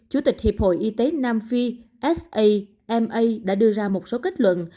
chủ tịch hiệp hội y tế nam phi s a m a đã đưa ra một số kết luận